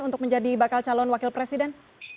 untuk menjadi bakal calon wakil presiden